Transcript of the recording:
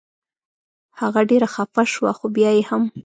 هغه ډېره خفه شوه خو بیا یې هم.